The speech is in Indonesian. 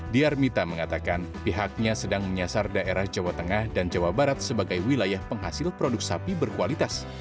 diarmita mengatakan pihaknya sedang menyasar daerah jawa tengah dan jawa barat sebagai wilayah penghasil produk sapi berkualitas